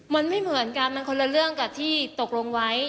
มันไม่เหมือนกันมันคนละเรื่องกับที่ตกลงไว้